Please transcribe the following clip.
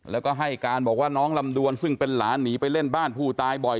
แล้วก็ให้การบอกว่าน้องลำดวนซึ่งเป็นหลานหนีไปเล่นบ้านผู้ตายบ่อย